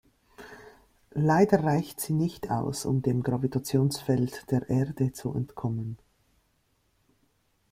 Leider reicht sie nicht aus, um dem Gravitationsfeld der Erde zu entkommen.